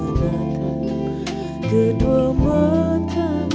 melahirkan seutas keinginan